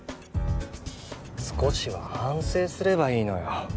少しは反省すればいいのよ